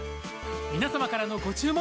皆様からのご注文